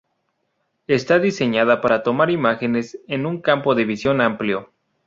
Está diseñada para tomar imágenes en un campo de visión amplio.